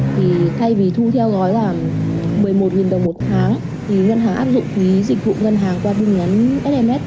thì thay vì thu theo gói là một mươi một đồng một tháng thì ngân hàng áp dụng phí dịch vụ ngân hàng qua tin nhắn sms